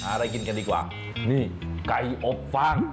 อะไรกินกันดีกว่านี่ไก่อบฟาง